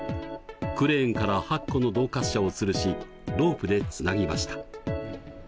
クレーンから８個の動滑車をつるしロープでつなぎました。